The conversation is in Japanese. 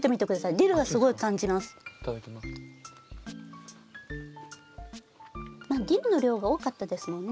ディルの量が多かったですもんね。